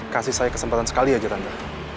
kasih saya kesempatan sekali aja randa